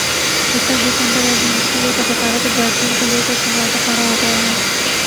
مصر دسمبرایجنسی ایک اداکارہ کے بوائے فرینڈ کو لیکر تنازعہ کھڑا ہو گیا ہے